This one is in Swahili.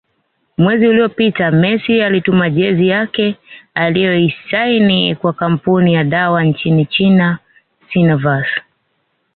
Mwezi uliopita Messi alituma jezi yake alioisaini kwa kampuni ya dawa nchini China Sinovac